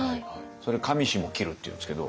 それ「上下を切る」っていうんですけど。